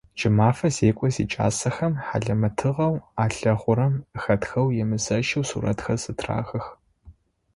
Кӏымэфэ зекӏор зикӏасэхэм хьалэмэтыгъэу алъэгъурэм хэтхэу емызэщэу сурэтхэр зытрахых.